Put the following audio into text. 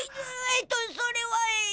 えっとそれは。